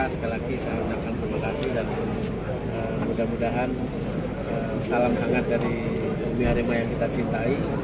sekali lagi saya ucapkan terima kasih dan mudah mudahan salam hangat dari bumi harimau yang kita cintai